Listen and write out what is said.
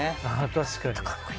確かに。